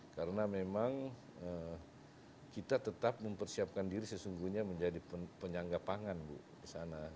karena memang kita tetap mempersiapkan diri sesungguhnya menjadi penyangga pangan di sana